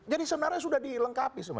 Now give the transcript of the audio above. jadi semnara sudah dilengkapi